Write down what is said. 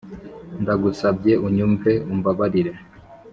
ndagusabyeee, unyumve, umbabarire